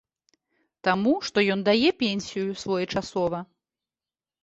Таму, што ён дае пенсію своечасова.